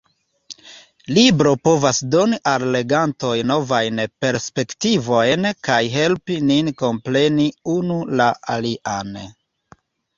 Libro povas doni al legantoj novajn perspektivojn kaj helpi nin kompreni unu la alian.